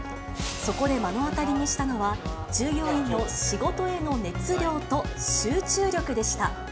そこで目の当たりにしたのは、従業員の仕事への熱量と集中力でした。